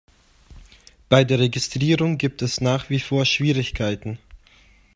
Bei der Registrierung gibt es nach wie vor Schwierigkeiten.